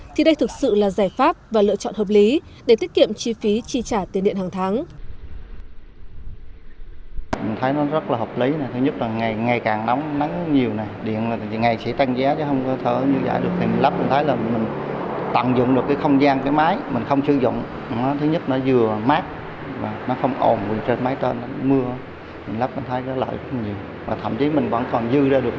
thì đây thực sự là giải pháp và lựa chọn hợp lý để tiết kiệm chi phí chi trả tiền điện hàng tháng